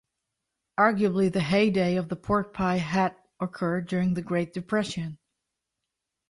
Arguably the heyday of the pork pie hat occurred during the Great Depression.